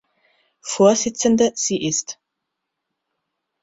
Vorsitzende sie ist.